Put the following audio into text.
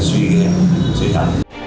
dễ bị đau khổ